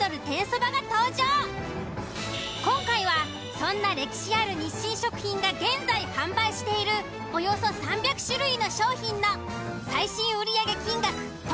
今回はそんな歴史ある「日清食品」が現在販売しているおよそ３００種類の商品の最新売り上げ金額